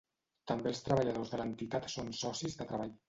També els treballadors de l'entitat són socis de treball.